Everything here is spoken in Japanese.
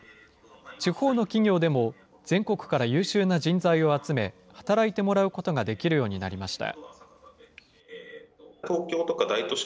地方の企業でも、全国から優秀な人材を集め、働いてもらうことができるようになりました。